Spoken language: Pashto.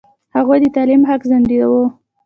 هغوی د تعلیم حق ځنډاوه.